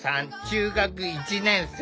中学１年生。